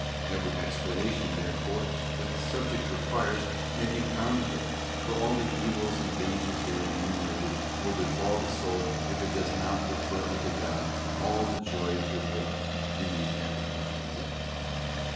Every explanation, therefore, that the subject requires may be found there, for all the evils and dangers there enu merated will befall the soul if it does not refer unto God all the joy of the will in these apprehensions.